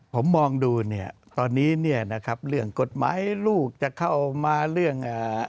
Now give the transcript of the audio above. ผมมองดูเนี่ยตอนนี้เนี่ยนะครับเรื่องกฎหมายลูกจะเข้ามาเรื่องอ่า